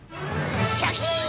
シャキン！